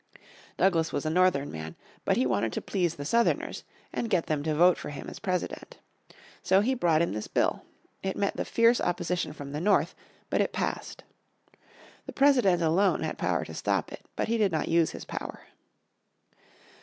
Douglas was a Northern man, but he wanted to please the Southerners, and get them to vote for him as President. So he brought in this bill. It met the fierce opposition from the North, but it passed. The President alone had power to stop it. But he did not use his power.